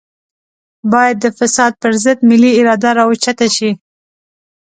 بايد د فساد پر ضد ملي اراده راوچته شي.